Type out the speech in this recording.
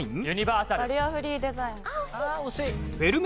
バリアフリーデザイン。